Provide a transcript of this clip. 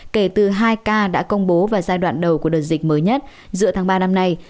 kể từ hai ca đã công bố vào giai đoạn đầu của đợt dịch mới nhất giữa tháng ba năm nay